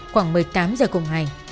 khoảng một mươi tám h cùng ngày